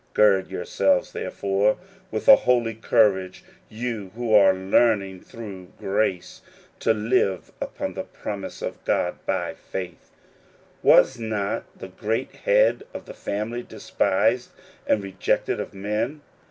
Gird yourselves, therefore, with a holy courage, you who are learning through grace to live upon the promise of God by faith. Was not the great Head of the family despised and rejected of men?